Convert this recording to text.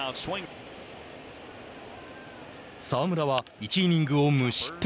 澤村は１イニングを無失点。